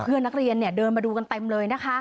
เพื่อนนักเรียนเดินมาดูกันเต็มเลยนะคะ